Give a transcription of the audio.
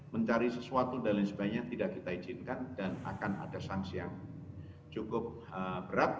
mencari sesuatu dan lain sebagainya tidak kita izinkan dan akan ada sanksi yang cukup berat